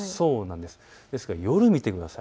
ですが夜を見てください。